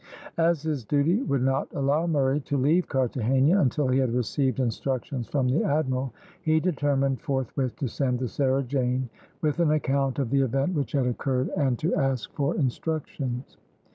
As his duty would not allow Murray to leave Carthagena until he had received instructions from the admiral, he determined forthwith to send the Sarah Jane with an account of the event which had occurred, and to ask for instructions.